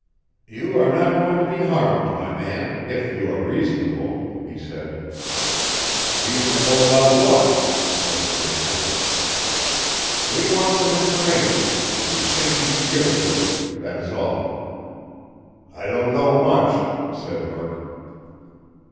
"You are not going to be harmed, my man if you are reasonable," he said. "Reasonable about what?" Murk demanded. "We want some information and we think you can give it to us; that is all." "I don't know much," said Murk.